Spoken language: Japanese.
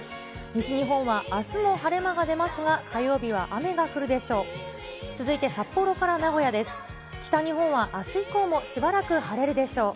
西日本はあすも晴れ間が出ますが、火曜日は雨が降るでしょう。